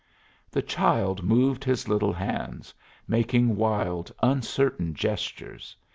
The child moved his little hands, making wild, uncertain gestures.